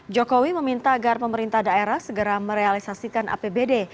jokowi meminta agar pemerintah daerah segera merealisasikan apbd